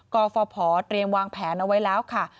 กฟภเตรียมวางแผนเอาไว้แล้วค่ะ